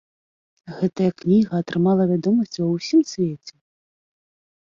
Гэтая кніга атрымала вядомасць ва ўсім свеце.